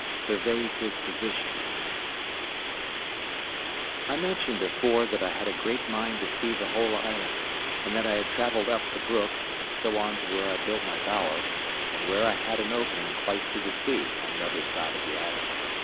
SURVEYS HIS POSITION I mentioned before that I had a great mind to see the whole island, and that I had travelled up the brook, and so on to where I built my bower, and where I had an opening quite to the sea, on the other side of the island.